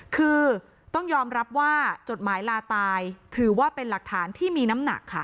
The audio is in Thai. คือต้องยอมรับว่าจดหมายลาตายถือว่าเป็นหลักฐานที่มีน้ำหนักค่ะ